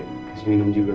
kasih minum juga